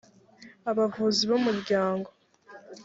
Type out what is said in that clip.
abavugizi b’umuryango